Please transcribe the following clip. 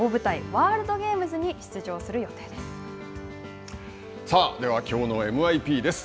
ワールドゲームズに出場する予定です。